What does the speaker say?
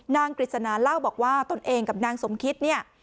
กฤษณาเล่าบอกว่าตนเองกับนางสมคิตเนี่ย